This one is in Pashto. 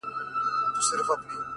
شاعري سمه ده چي ته غواړې؛